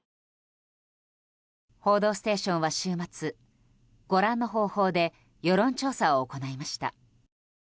「報道ステーション」は週末ご覧の方法で世論調査を行いました。